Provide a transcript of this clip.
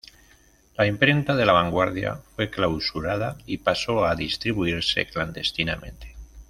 La imprenta de "La Vanguardia" fue clausurada y pasó a distribuirse clandestinamente.